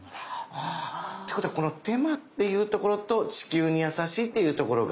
は。ってことはこの手間っていうところと地球に優しいっていうところが。